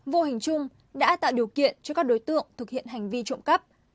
vô hình chung đã tạo điều kiện cho các đối tượng thực hiện hành vi trộm cắp